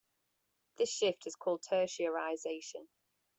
This shift is called tertiarisation.